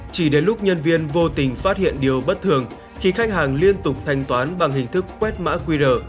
chỉ đến lúc nhân viên vô tình phát hiện điều bất thường khi khách hàng liên tục thanh toán bằng hình thức quét mã qr